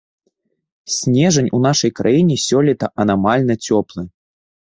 Снежань у нашай краіне сёлета анамальна цёплы.